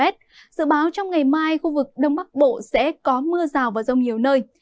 dự báo trong ngày mai khu vực đông bắc bộ sẽ có mưa rào và rông nhiều nơi